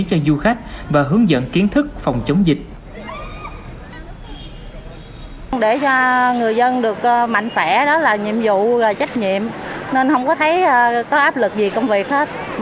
cho du khách và hướng dẫn kiến thức phòng chống dịch